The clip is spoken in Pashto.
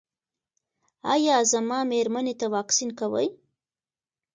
ایا زما میرمنې ته واکسین کوئ؟